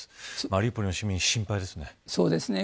マリウポリの市民、心配ですね。